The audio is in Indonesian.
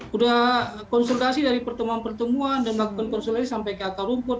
sudah konsolidasi dari pertemuan pertemuan dan lakukan konsolidasi sampai ke akar rumput